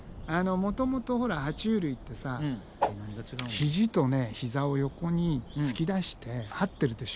もともとほらは虫類ってさ肘と膝を横に突き出してはってるでしょ。